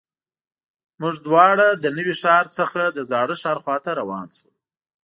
موږ دواړه له نوي ښار نه د زاړه ښار خواته روان شولو.